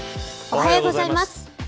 おはようございます。